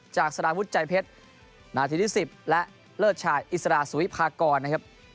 จากสาราพุทธใจเพชรหน้าทีที่สิบและเลิศชาติอิสราสุวิพากรนะครับ